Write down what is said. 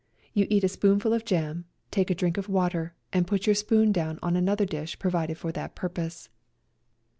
You eat a spoonful of jam, take a drink of water, and put your spoon down on another dish provided for that purpose.